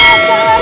berhenti kamu ben